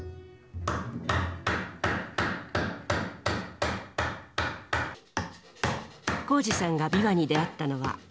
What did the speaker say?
宏司さんが琵琶に出会ったのは５年前。